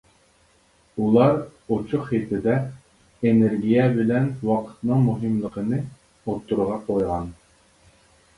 ئۇلار ئوچۇق خېتىدە ئېنېرگىيە بىلەن ۋاقىتنىڭ مۇھىملىقىنى ئوتتۇرىغا قويغان.